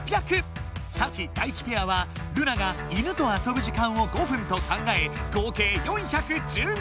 サキ・ダイチペアは「ルナが犬と遊ぶ時間」を５分と考え合計４１５。